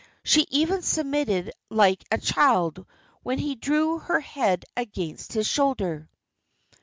She even submitted like a child when he drew her head against his shoulder.